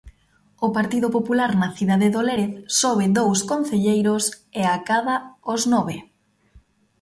O Partido Popular na cidade do Lérez sobe dous concelleiros e acada os nove.